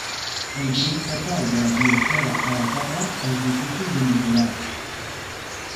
El gruix total de la biosfera a la Terra és difícil de mesurar.